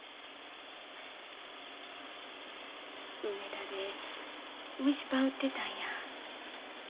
梅田で蒸しパン売ってたんや。